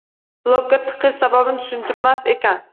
Blokka tiqish sababini tushuntirmas ekan.